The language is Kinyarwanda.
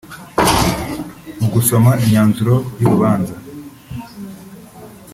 Mu gusoma imyanzuro y’Urubanza